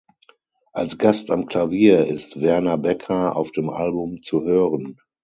Als Gast am Klavier ist Werner Becker auf dem Album zu hören.